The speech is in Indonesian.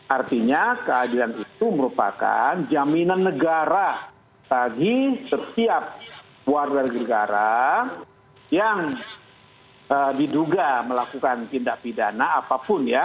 artinya keadilan itu merupakan jaminan negara bagi setiap warga negara yang diduga melakukan tindak pidana apapun ya